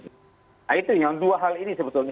nah itu yang dua hal ini sebetulnya